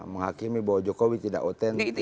menghakimi bahwa jokowi tidak otentik